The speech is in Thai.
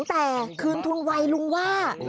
แต่คืนทุนไวลุงว่า